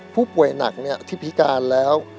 ผู้ป่วยหนักที่พิการแล้ว